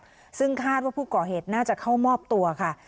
อนุมัติหมายจับซึ่งคาดว่าผู้ก่อเหตุน่าจะเข้ามอบตัวค่ะ